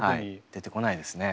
出てこないですね。